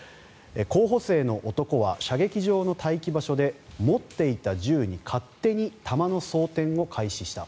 候補生の男は射撃場の待機場所で持っていた銃に勝手に弾の装てんを開始した。